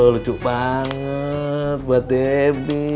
lucu banget buat debi